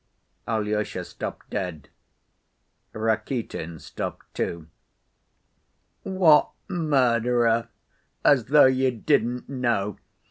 Alyosha stopped dead. Rakitin stopped, too. "What murderer? As though you didn't know!